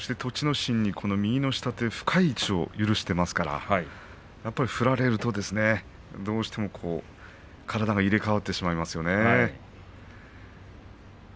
心に右の下手深い位置を許していますからこの姿勢で振られると体が入れ代わってしまいますね。